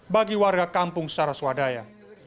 bagi warga kampung secara swadaya